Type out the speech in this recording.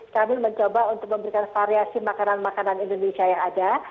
kami mencoba untuk memberikan variasi makanan makanan indonesia yang ada